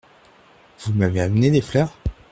Vous m’avez amené des fleurs ?